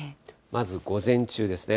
まず午前中ですね。